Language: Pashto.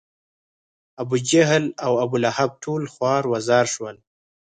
ابوجهل او ابولهب ټول خوار و زار شول.